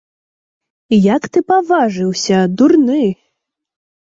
Як ты паважыўся, дурны?